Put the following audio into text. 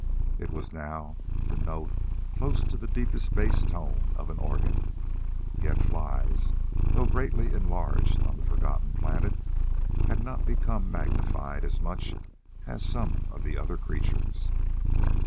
It was now the note close to the deepest bass tone of an organ. Yet flies though greatly enlarged on the forgotten planet had not become magnified as much as some of the other creatures.